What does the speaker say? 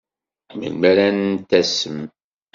Melmi ara n-tasem?